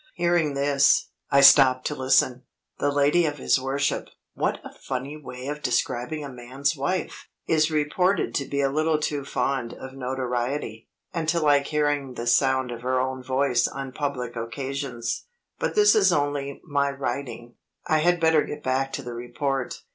Hearing this, I stopped to listen. The lady of his worship (what a funny way of describing a man's wife!) is reported to be a little too fond of notoriety, and to like hearing the sound of her own voice on public occasions. But this is only my writing; I had better get back to the report.